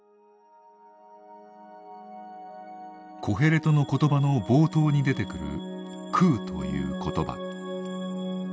「コヘレトの言葉」の冒頭に出てくる「空」という言葉。